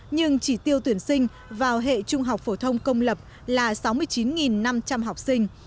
nhưng chỉ tiêu tuyển sinh vào hệ trung học phổ thông công lập là sáu mươi chín năm trăm linh học sinh